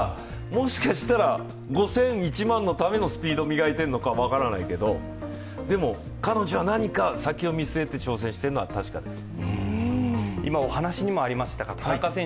もしかしたら、５０００、１００００のためのスピードを磨いているのか分からないけどでも彼女は何か先を見据えて挑戦しているのは確かです。